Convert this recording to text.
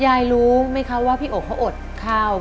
ยายรู้ไหมคะว่าพี่โอเขาอดข้าว